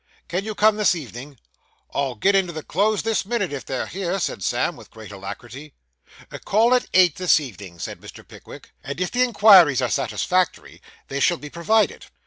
'Can you come this evening?' 'I'll get into the clothes this minute, if they're here,' said Sam, with great alacrity. 'Call at eight this evening,' said Mr. Pickwick; 'and if the inquiries are satisfactory, they shall be provided.